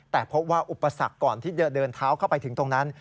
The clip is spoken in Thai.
แต่พบว่าอุปสรรคก่อนที่จะเดินเท้าเข้าไปถึงตรงนั้น